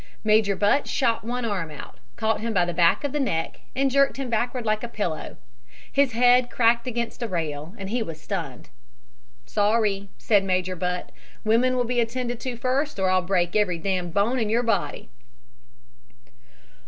Major Butt shot one arm out, caught him by the back of the neck and jerked him backward like a pillow. His head cracked against a rail and he was stunned. "'Sorry,' said Major Butt, 'women will be attended to first or I'll break every damned bone in your body.'